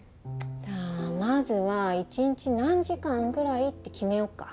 じゃあまずは１日何時間ぐらいって決めようか。